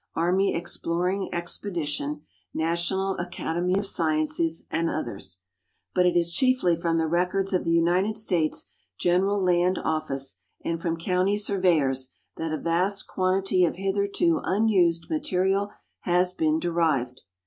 \rmy Exploring Expedition, National Academy of Sciences, and others ; but it is chiefly from the records of the United States General Land Office and from county surveyors that a vast quantity of hitherto unused material has been derived.